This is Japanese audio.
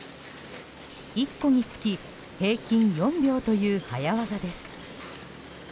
１個につき平均４秒という早わざです。